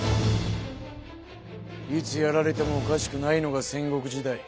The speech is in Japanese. いつやられてもおかしくないのが戦国時代。